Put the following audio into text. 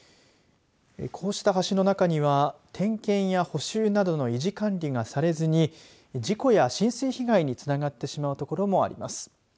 こうした橋の中には点検や補修などの維持管理がされずに事故や浸水被害につながってしまう所もあります。